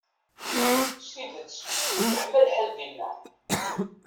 S tidet yeḥma lḥal dinna.